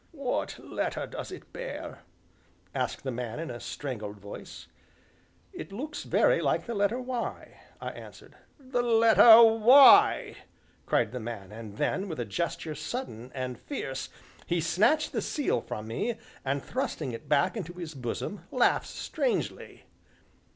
"What letter does it bear?" asked the man in a strangled voice. "It looks very like the letter 'Y,'" I answered "The letter 'Y'!" cried the man, and then, with a gesture sudden and fierce, he snatched the seal from me, and, thrusting it back into his bosom, laughed strangely.